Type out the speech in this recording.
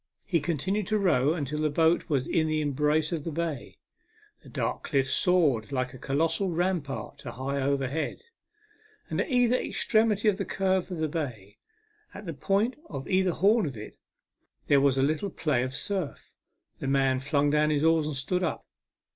He continued to row until the boat was in the embrace of the bay. The dark cliffs soared like a. colossal rampart to high overhead, and at either extremity of the curve of the bay, at the point of either horn of it, there was a little play of surf. The man flung in his oars and stood up.